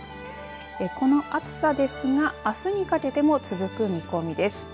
この暑さですがあすにかけても続く見込みです。